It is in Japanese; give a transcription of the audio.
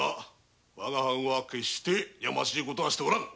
わが藩は決してやましい事はしておらぬ。